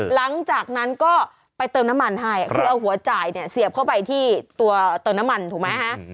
หลังจากนั้นก็ไปเติมน้ำมันให้คือเอาหัวจ่ายเนี่ยเสียบเข้าไปที่ตัวเติมน้ำมันถูกไหมฮะ